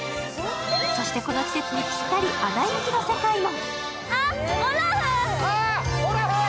そして、この季節にぴったり、「アナ雪」の世界も。